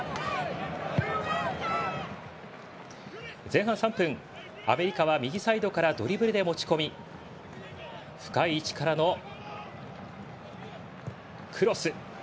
前半３分、アメリカは右サイドからドリブルで持ち込み深い位置からのクロス。